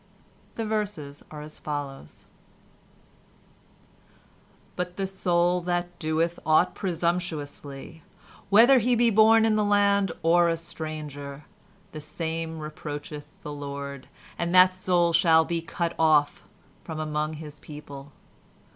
The verses are as follows— "But the soul that doeth aught presumptuously, whether he be born in the land or a stranger, the same reproacheth the Lord; and that soul shall be cut off from among his people.